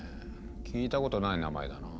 聞いたことない名前だな。